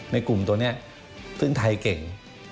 ในกลุ่มตัวนี้ซึ่งไทยเก่ง